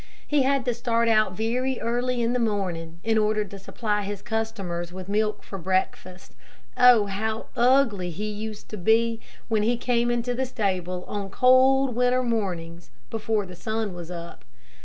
He had to start out very early in the morning, in order to supply his customers with milk for breakfast. Oh, how ugly he used to be, when he came into the stable on cold winter mornings, before the sun was up.